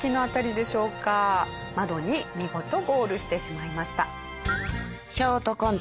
窓に見事ゴールしてしまいました。